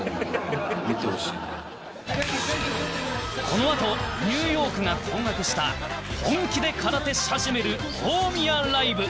このあとニューヨークが困惑した本気で空手し始める大宮ライブ